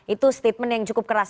itu statement yang cukup keras